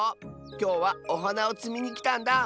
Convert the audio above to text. きょうはおはなをつみにきたんだ。